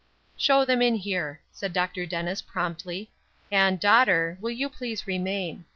"Show them in here," said Dr. Dennis, promptly. "And, daughter, you will please remain.